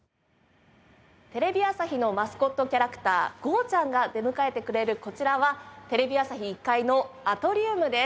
テレビ朝日のマスコットキャラクターゴーちゃん。が出迎えてくれるこちらはテレビ朝日１階のアトリウムです。